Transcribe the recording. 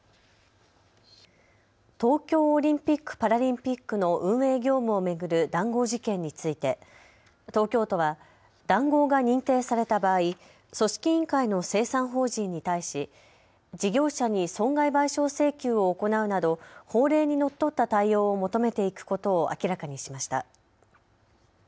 東京オリンピック・パラリンピックの運営業務を巡る談合事件について東京都は談合が認定された場合、組織委員会の清算法人に対し事業者に損害賠償請求を行うなど法令にのっとった対応を求めていくことを明らかにしました。